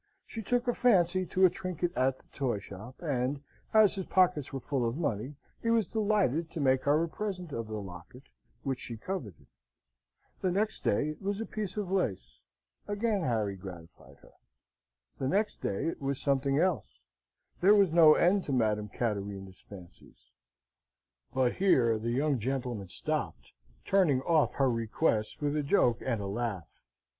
She took a fancy to a trinket at the toy shop; and, as his pockets were full of money, he was delighted to make her a present of the locket, which she coveted. The next day it was a piece of lace: again Harry gratified her. The next day it was something else: there was no end to Madame Cattarina's fancies: but here the young gentleman stopped, turning off her request with a joke and a laugh.